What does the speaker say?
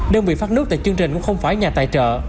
đơn vị phát nước tại chương trình cũng không phải nhà tài trợ